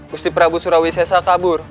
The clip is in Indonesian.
gusti prabu surawisesa kabur